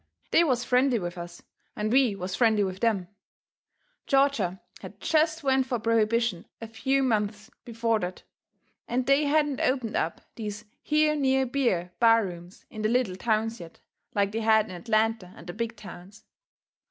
They was friendly with us, and we was friendly with them. Georgia had jest went fur prohibition a few months before that, and they hadn't opened up these here near beer bar rooms in the little towns yet, like they had in Atlanta and the big towns.